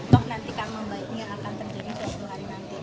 atau nanti kamu baiknya akan terjadi suatu hari nanti